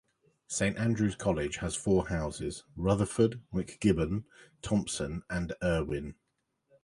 Saint Andrew's College has four houses: Rutherford, MacGibbon, Thompson and Erwin.